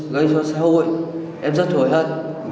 gây cho xã hội em rất hối hận